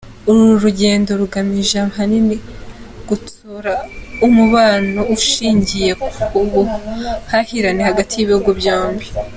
Uru rugendo rugamije ahanini gutsura umubano ushingiye ku buhahirane hagati y’ibihugu byombi.